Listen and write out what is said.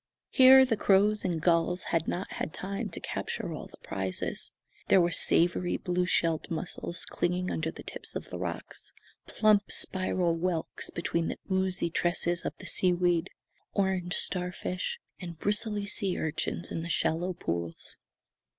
Here the crows and gulls had not had time to capture all the prizes. There were savoury blue shelled mussels clinging under the tips of the rocks; plump, spiral whelks between the oozy tresses of the seaweed; orange starfish and bristly sea urchins in the shallow pools.